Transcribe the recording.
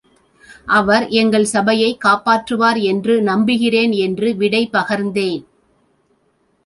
அவர் எங்கள் சபையைக் காப்பாற்றுவார் என்று நம்புகிறேன் என்று விடை பகர்ந்தேன்.